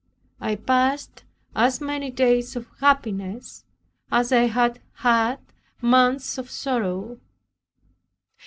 I passed as many days of happiness as I had had months of sorrow.